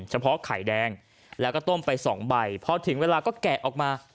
เฉพาะไข่แดงแล้วก็ต้มไปสองใบพอถึงเวลาก็แกะออกมา